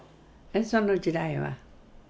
ええその時代は。